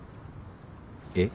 えっ？